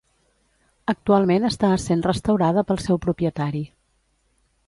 Actualment està essent restaurada pel seu propietari.